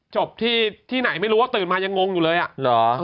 จบที่ไหนไม่รู้ว่าตื่นมายังงงอยู่เลยอ่ะเหรอ